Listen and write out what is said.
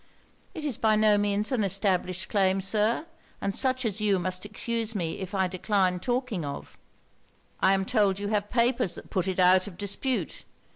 'It is by no means an established claim, Sir; and such as you must excuse me if I decline talking of.' 'I am told you have papers that put it out of dispute.